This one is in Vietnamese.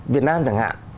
việt nam chẳng hạn